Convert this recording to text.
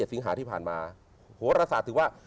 สิงหาที่ผ่านมาโหรศาสตร์ถือว่า